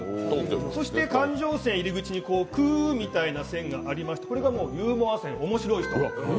そして感情線入り口に、「く」みたいな線があってこれがユーモア線、面白い人。